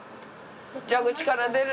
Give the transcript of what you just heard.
蛇口から出る。